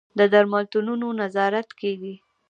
د درملتونونو نظارت کیږي؟